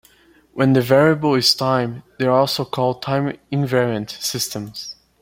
When the variable is time, they are also called time-invariant systems.